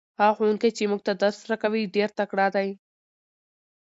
هغه ښوونکی چې موږ ته درس راکوي ډېر تکړه دی.